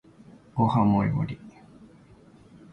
ご飯もりもり